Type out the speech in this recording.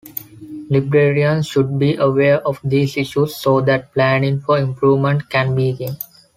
Librarians should be aware of these issues so that planning for improvement can begin.